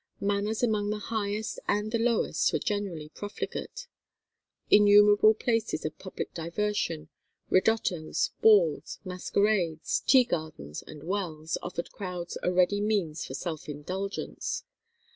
Manners among the highest and the lowest were generally profligate. Innumerable places of public diversion, ridottos, balls, masquerades, tea gardens, and wells, offered crowds a ready means for self indulgence.